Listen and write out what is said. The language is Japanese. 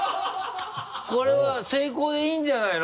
これは成功でいいんじゃないの？